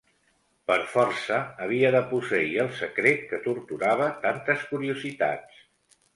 Per força havia de posseir el secret que torturava tantes curiositats.